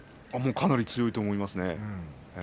かなり強いと思いますね。